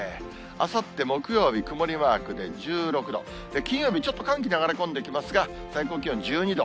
あさって木曜日、曇りマークで１６度、金曜日、ちょっと寒気流れ込んできますが、最高気温１２度。